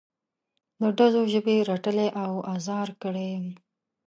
د ډزو ژبې رټلی او ازار کړی یم.